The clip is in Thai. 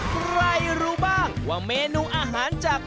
ใครรู้บ้างว่าเมนูอาหารจาก